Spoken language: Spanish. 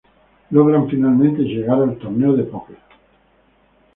Logran finalmente llegar al torneo de póquer.